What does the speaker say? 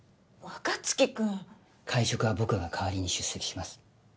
若槻君会食は僕が代わりに出席します